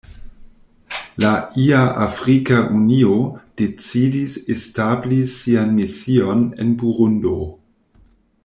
La la Afrika Unio decidis establi sian mision en Burundo.